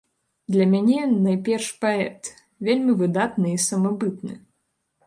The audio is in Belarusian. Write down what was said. Для мяне ён найперш паэт, вельмі выдатны і самабытны.